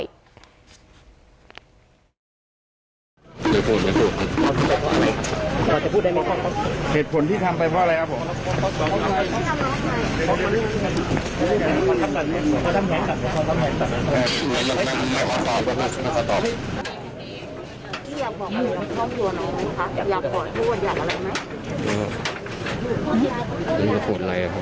ยังไม่มีแรงกระตุ้นอะไรอย่างนนี้ข้อก็พูดอะไรครับ